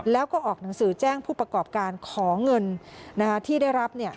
แล้วก็ออกหนังสือแจ้งผู้ประกอบการขอเงินที่ได้รับ